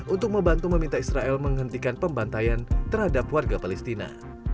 untuk membantu meminta israel menghentikan pembantaian terhadap warga palestina